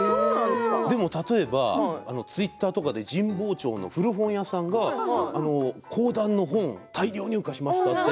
でも例えばツイッターとかで神保町の古本屋さんが講談の本、大量に入荷しました。